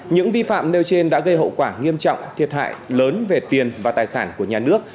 những vi phạm nêu trên đã gây hậu quả nghiêm trọng thiệt hại lớn về tiền và tài sản của nhà nước